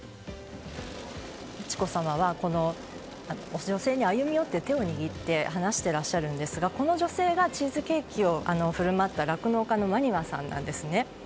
美智子さまは女性に歩み寄って手を握って話していらっしゃるんですがこの女性がチーズケーキを振る舞った酪農家の摩庭さんなんですね。